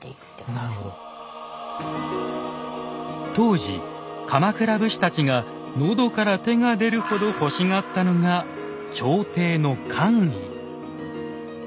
当時鎌倉武士たちが喉から手が出るほど欲しがったのが朝廷の官位。